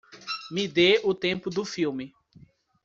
Me dê o tempo do filme